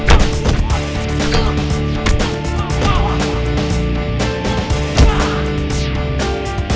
daripada gabung sama lo